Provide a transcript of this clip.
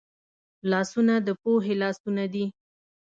لاسونه د پوهې لاسونه دي